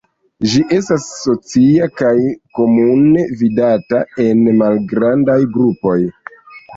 Ĝi estas socia kaj komune vidata en malgrandaj grupoj.